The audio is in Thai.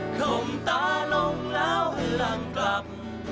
ของตาลงแล้วหลั่นกลับ